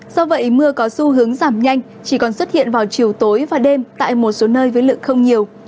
do vậy mưa có xu hướng giảm nhanh chỉ còn xuất hiện vào chiều tối và đêm tại một số nơi với lượng không nhiều